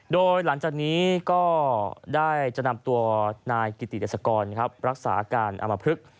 โดยหลังจากนี้ก็ได้จะนำตัวนายกิติดศกรรักษาการอมพลึก